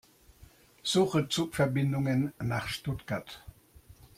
Suche Zugverbindungen nach Stuttgart.